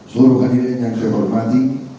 seluruh kandidat yang saya hormati